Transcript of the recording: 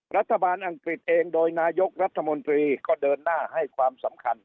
อังกฤษเองโดยนายกรัฐมนตรีก็เดินหน้าให้ความสำคัญ